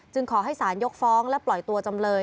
ขอให้สารยกฟ้องและปล่อยตัวจำเลย